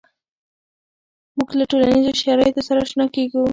مونږ له ټولنیزو شرایطو سره آشنا کیږو.